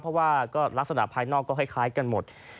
เพราะว่าก็ลักษณะภายนอกก็คล้ายกันหมด